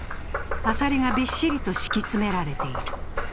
アサリがびっしりと敷き詰められている。